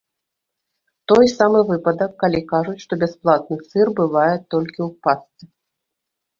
Той самы выпадак, калі кажуць, што бясплатны сыр бывае толькі ў пастцы.